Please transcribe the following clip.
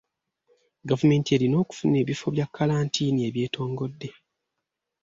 Gavumenti erina okufuna ebifo bya kalantiini ebyetongodde.